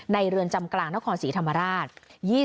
เรือนจำกลางนครศรีธรรมราช